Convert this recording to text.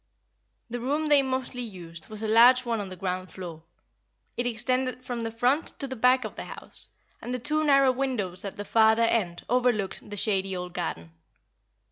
The room they mostly used was a large one on the ground floor. It extended from the front to the back of the house, and the two narrow windows at the farther end overlooked the shady old garden.